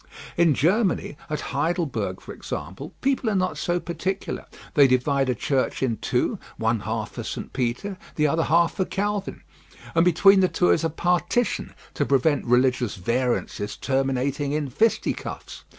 In Germany, at Heidelberg, for example, people are not so particular; they divide a church in two, one half for St. Peter, the other half for Calvin, and between the two is a partition to prevent religious variances terminating in fisticuffs.